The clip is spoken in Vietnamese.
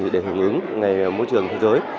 để hướng hướng ngày môi trường thế giới